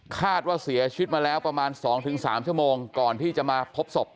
คาดว่าเสียชีวิตมาแล้วประมาณ๒๓ชั่วโมงก่อนที่จะมาพบศพ